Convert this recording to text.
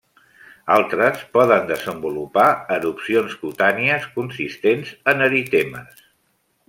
Altres poden desenvolupar erupcions cutànies consistents en eritemes.